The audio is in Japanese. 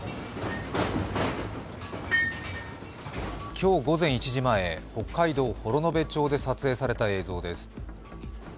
今日午前１時前、北海道幌延町で撮影された映像です。